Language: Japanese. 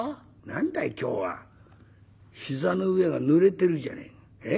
何だい今日は膝の上がぬれてるじゃねえの。